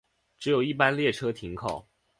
只有一般列车停靠。